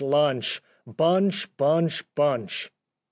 Lunch ! Bunch ! Bunch ! Bunch